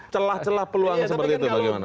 celah celah peluangnya seperti itu bagaimana